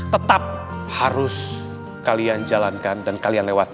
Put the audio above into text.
tetap harus kalian jalankan dan kalian lewati